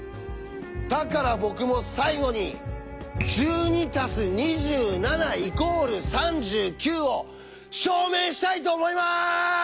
だから僕も最後に「１２＋２７＝３９」を証明したいと思います！